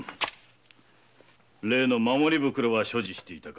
例の守り袋は所持していたか？